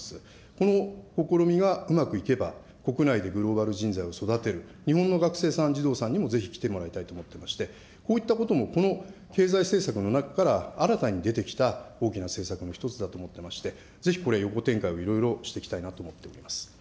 この試みがうまくいけば、国内でグローバル人材を育てる、日本の学生さん、児童さんにもぜひ来てもらいたいと思っていまして、こういったこともこの経済政策の中から新たに出てきた大きな政策の一つだと思っていまして、ぜひこれ、横展開をいろいろしていきたいなと思っています。